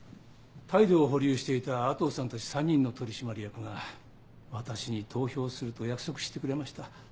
態度を保留していた阿藤さんたち３人の取締役が私に投票すると約束してくれました。